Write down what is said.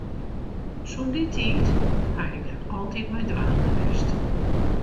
Sûnt dy tiid ha ik dêr altyd mei dwaande west.